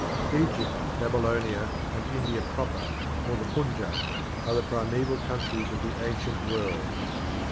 Egypt, Babylonia, and India proper, or the Punjab, are the primeval countries of the ancient world.